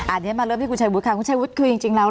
อันนี้มาเริ่มที่คุณชายวุฒิค่ะคุณชายวุฒิคือจริงแล้ว